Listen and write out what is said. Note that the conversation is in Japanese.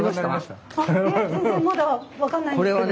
分かんないんですけど。